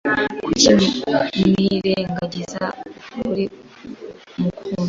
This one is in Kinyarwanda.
kuki mwirengagiza ukuri mukuzi